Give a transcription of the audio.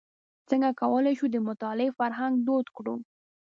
څنګه کولای شو د مطالعې فرهنګ دود کړو.